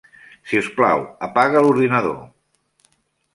Si us plau, apaga l'ordinador.